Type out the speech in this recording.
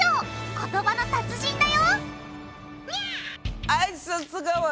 言葉の達人だよ！